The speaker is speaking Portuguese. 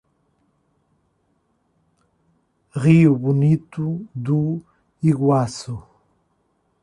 Rio Bonito do Iguaçu